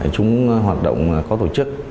chúng hoạt động có tổ chức